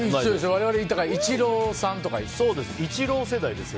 我々とか、イチローさんとか一緒です。